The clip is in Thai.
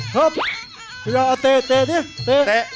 ครับอย่าเตะนี่เตะ